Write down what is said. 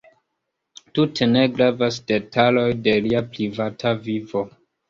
Tute ne gravas detaloj de lia privata vivo.